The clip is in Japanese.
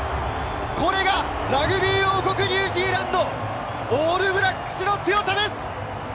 これがラグビー王国・ニュージーランド、オールブラックスの強さです！